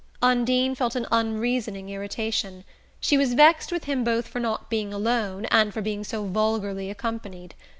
Undine felt an unreasoning irritation: she was vexed with him both for not being alone and for being so vulgarly accompanied.